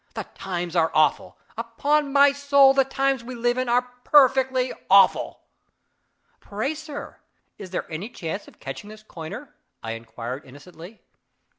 The times are awful upon my soul, the times we live in are perfectly awful!" "Pray, sir, is there any chance of catching this coiner?" I inquired innocently.